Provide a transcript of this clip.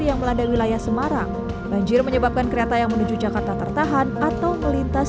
yang melanda wilayah semarang banjir menyebabkan kereta yang menuju jakarta tertahan atau melintas